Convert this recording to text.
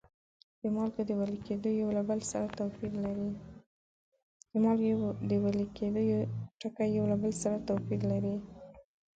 د مالګو د ویلي کیدو ټکي یو له بل سره توپیر لري.